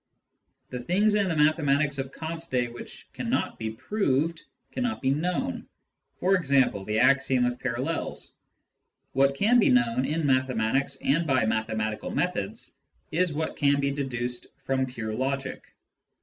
The things in the mathematics of Kant's day which cannot be proved, cannot be known — for example, the axiom of parallels. What can be known, in mathematics and by mathe matical methods, is what can be deduced from pure logic.